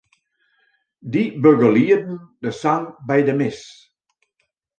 Dy begelieden de sang by de mis.